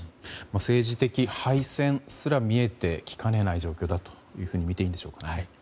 政治的敗戦すら見えてきかねない状況だとみていいんでしょうかね。